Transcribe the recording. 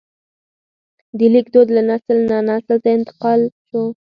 د لیک دود له نسل نه نسل ته انتقال شو.